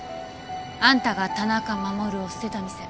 あんたが田中守を捨てた店。